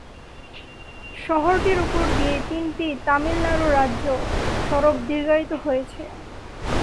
শহরটির উপর দিয়ে তিনটি তামিলনাড়ু রাজ্য সড়ক দীর্ঘায়িত হয়েছে।